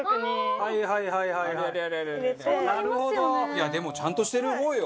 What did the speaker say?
いやでもちゃんとしてる方よ。